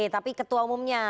tapi ketua umumnya